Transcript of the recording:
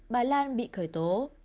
bà lan bị khởi tố